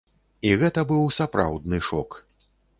І гэта быў сапраўдны шок.